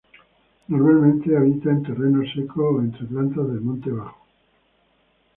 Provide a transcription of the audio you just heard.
Normalmente habita en terrenos secos o entre plantas del monte bajo.